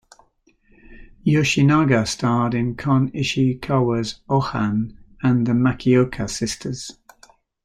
Yoshinaga starred in Kon Ichikawa's "Ohan" and "The Makioka Sisters".